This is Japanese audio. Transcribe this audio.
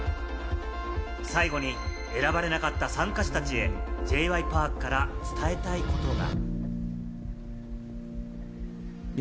最後に選ばれなかった参加者たちへＪ．Ｙ．Ｐａｒｋから伝えたいことが。